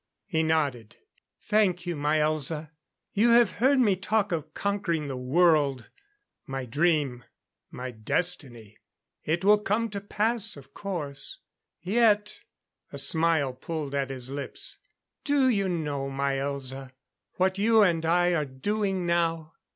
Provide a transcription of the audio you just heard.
He nodded. "Thank you.... My Elza, you have heard me talk of conquering the world. My dream my destiny. It will come to pass, of course. Yet " A smile pulled at his lips. "Do you know, my Elza, what you and I are doing now?"